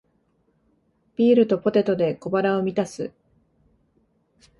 ビールとポテトで小腹を満たす